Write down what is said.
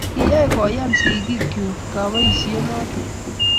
kiyai koyan sigik chu kaibisie noto